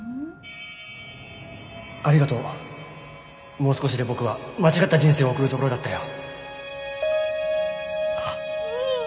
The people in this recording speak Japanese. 「もう少しで僕は間違った人生を送るところだったよ」。